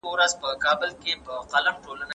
بوکله ولې سیاست له علم څخه لرې ګڼلی و؟